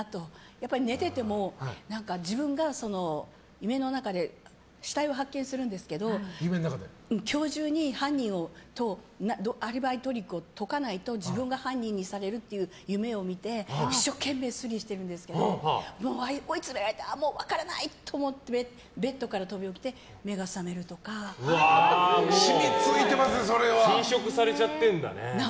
やっぱり、寝てても自分が夢の中で死体を発見するんですけど今日中に犯人とアリバイ、トリックを解かないと自分が犯人にされるっていう夢を見て一生懸命、推理してるんですけど追い詰められた分からない！って思ってベッドから飛び降りて染みついてますね、それは。